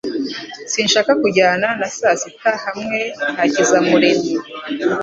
Sinshaka kujyana na sasita hamwe na Hakizamuremyi